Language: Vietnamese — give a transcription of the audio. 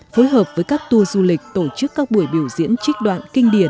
phối hợp với các tour du lịch tổ chức các buổi biểu diễn trích đoạn kinh điển